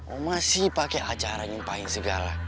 oma sih pake acara nyempahin segala